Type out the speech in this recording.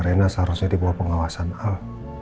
rina seharusnya dibawa pengawasan al